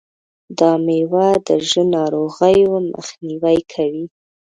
دا مېوه د زړه ناروغیو مخنیوی کوي.